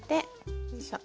よいしょ。